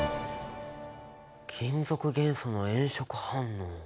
金属元素の炎色反応。